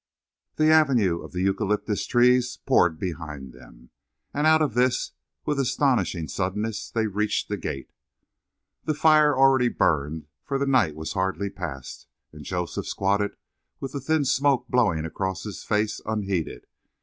The avenue of the eucalyptus trees poured behind them, and out of this, with astonishing suddenness, they reached the gate. The fire already burned, for the night was hardly past, and Joseph squatted with the thin smoke blowing across his face unheeded.